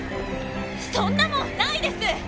そんなもんないです！